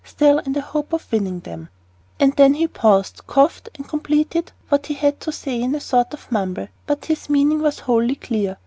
Still, in the hope of winning them " And then he paused, coughed, and completed what he had to say in a sort of mumble, but his meaning was wholly clear.